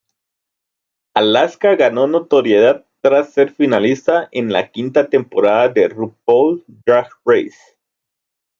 Alaska ganó notoriedad tras ser finalista en la quinta temporada de "RuPaul's Drag Race".